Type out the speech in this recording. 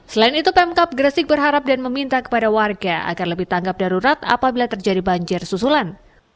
selain itu pemkap gresik berharap dan meminta kepada warga agar lebih tanggap darurat apabila terjadi banjir susulan